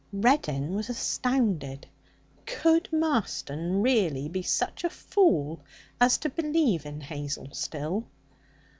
Reddin was astounded. Could Marston really be such a fool as to believe in Hazel still?